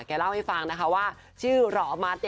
เล่าให้ฟังนะคะว่าชื่อหรอมัด